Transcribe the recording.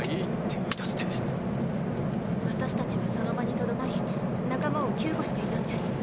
私たちはその場にとどまり仲間を救護していたんです。